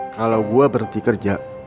kalau gue berhenti kerja